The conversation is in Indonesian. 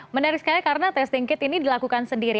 menarik sekali karena testing kit ini dilakukan sendiri